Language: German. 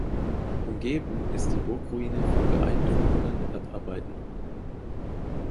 Umgeben ist die Burgruine von beeindruckenden Erdarbeiten.